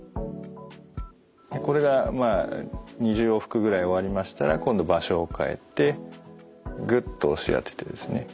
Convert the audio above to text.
これがまあ２０往復ぐらい終わりましたら今度場所を変えてグッと押し当ててですね